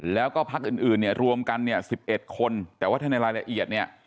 แล้วก็พักอื่นเนี่ยรวมกันเนี่ย๑๑คนแต่ว่าถ้าในรายละเอียดเนี่ย